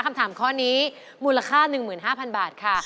คำถามข้อนี้มูลค่า๑๕๐๐๐บาทค่ะ